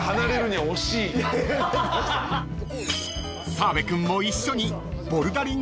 ［澤部君も一緒に］